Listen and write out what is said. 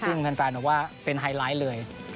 ซึ่งแฟนบอกว่าเป็นไฮไลท์เลย